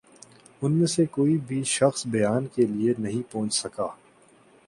ان میں سے کوئی بھِی شخص بیان کے لیے نہیں پہنچ سکا